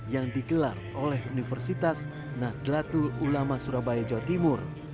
yang dikelar oleh universitas naglatul ulama surabaya jawa timur